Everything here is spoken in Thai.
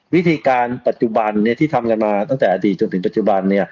วิธีการปัจจุบันที่ทำกันมาตั้งแต่อดีตจนถึงปัจจุบัน